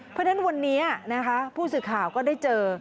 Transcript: เพราะฉะนั้นวันนี้นะคะผู้สื่อข่าวก็ได้เจอ